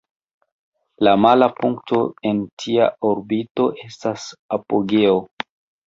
La mala punkto en tia orbito estas "apogeo".